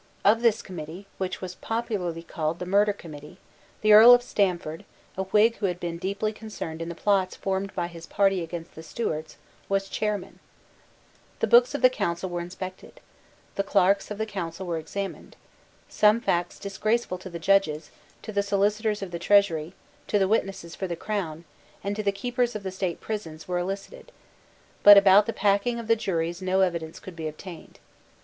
Of this Committee, which was popularly called the Murder Committee, the Earl of Stamford, a Whig who had been deeply concerned in the plots formed by his party against the Stuarts, was chairman, The books of the Council were inspected: the clerks of the Council were examined: some facts disgraceful to the Judges, to the Solicitors of the Treasury, to the witnesses for the Crown, and to the keepers of the state prisons, were elicited: but about the packing of the juries no evidence could be obtained.